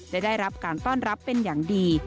และได้รับการต้อนรับเป็นอย่างดี